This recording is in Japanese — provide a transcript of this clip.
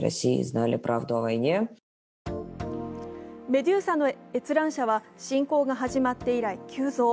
メドゥーサの閲覧者は侵攻が始まって以来急増。